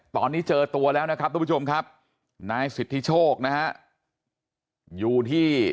ตอนนี้เจอตัวแล้วนะครับทุกผู้ชมครับนายสิทธิโชคนะฮะอยู่ที่